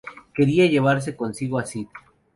Quería llevarse consigo a Sid...